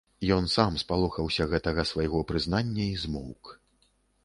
Ён сам спалохаўся гэтага свайго прызнання і змоўк.